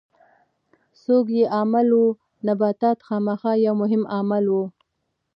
څوک یې عامل وو؟ نباتات خامخا یو مهم عامل و.